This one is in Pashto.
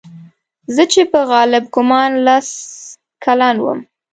زه چې په غالب ګومان لس کلن وم.